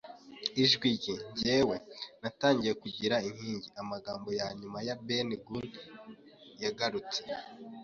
ijwi rye. Njyewe, natangiye kugira inkingi. Amagambo ya nyuma ya Ben Gunn yagarutse